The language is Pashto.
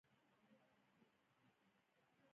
تاســـره څـــه، ما ســـره څه پاتې دي